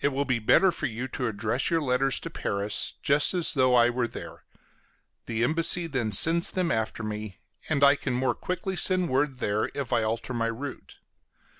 It will be better for you to address your letters to Paris, just as though I were there; the embassy then sends them after me, and I can more quickly send word there if I alter my route.